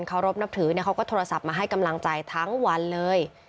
เขารบนับถือเขาก็โทรศัพท์มาให้กำลังใจทั้งวันเลย